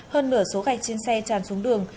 hơn nửa số gạch trên xe tràn xuống đường